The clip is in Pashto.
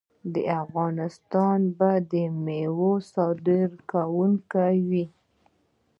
افغانستان به د میوو صادروونکی وي.